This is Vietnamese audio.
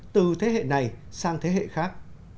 từ thế hệ này sang thế hệ khác